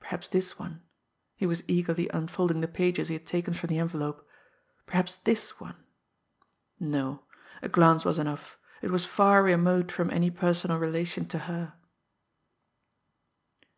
Perhaps this one he was eagerly unfolding the pages he had taken from the envelope perhaps this one no! a glance was enough it was far remote from any personal relation to her.